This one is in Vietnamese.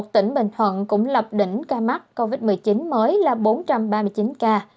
tỉnh bình thuận cũng lập đỉnh ca mắc covid một mươi chín mới là bốn trăm ba mươi chín ca